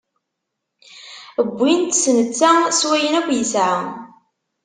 Wwin-t, s netta, s wayen akk yesɛa.